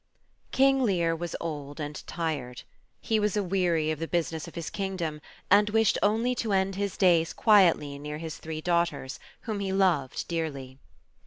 KING LEAR was old and tired. He was aweary of the busi ness of his kingdom, and wished only to end his days quietly near his three daughters, whom he loved dearly.